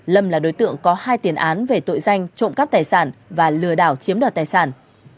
lâm là đối tượng có hai tiền án về tội danh trộm cắp tài sản và lừa đảo chiếm đoạt tài sản